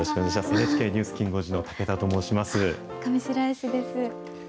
ＮＨＫニュースきん５時の武田と上白石です。